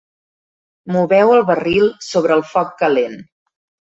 Moveu el barril sobre el foc calent.